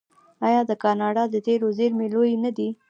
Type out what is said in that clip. آیا د کاناډا د تیلو زیرمې لویې نه دي؟